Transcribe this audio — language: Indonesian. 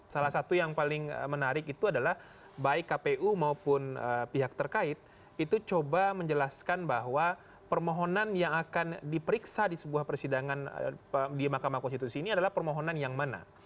salah satu yang paling menarik itu adalah baik kpu maupun pihak terkait itu coba menjelaskan bahwa permohonan yang akan diperiksa di sebuah persidangan di mahkamah konstitusi ini adalah permohonan yang mana